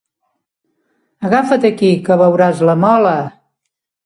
Agafa't aquí, que veuràs la mola.